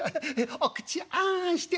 お口あんして。